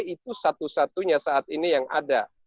itu satu satunya saat ini yang ada